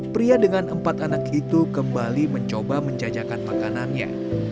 pria dengan empat anak itu kembali mencoba menjajakan makanannya